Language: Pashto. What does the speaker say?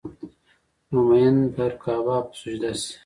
نو مين به پر کعبه او په سجده شي